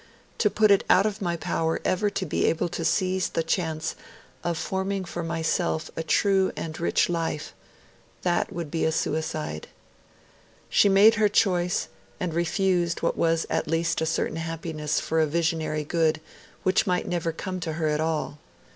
to put it out of my power ever to be able to seize the chance of forming for myself a true and rich life' that would be a suicide. She made her choice, and refused what was at least a certain happiness for a visionary good which might never come to her at all.